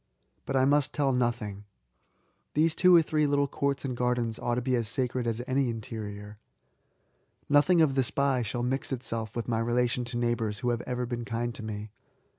But I must tell nothing. These two or three little courts and gardens ought to be as sacred as any interior. Nothing of the spy shall mix itself with 86 B88ATS. my relation to neighbours who have ever been kind to me.